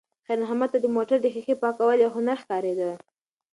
خیر محمد ته د موټر د ښیښې پاکول یو هنر ښکارېده.